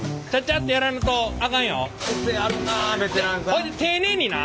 ほいで丁寧にな。